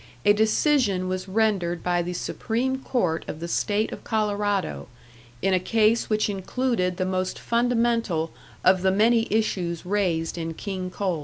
A decision was rendered by the Supreme Court of the State of Colorado, in a case which included the most fundamental of the many issues raised in "King Coal."